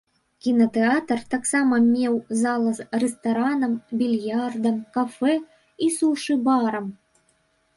Кінатэатр таксама меў зала з рэстаранам, більярдам, кафэ і сушы-барам.